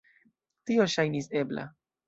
Tio ŝajnis ebla.